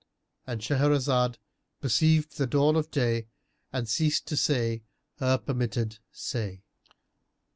——And Shahrazad perceived the dawn of day and ceased to say her permitted say.